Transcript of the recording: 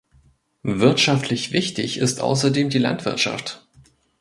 Wirtschaftlich wichtig ist außerdem die Landwirtschaft.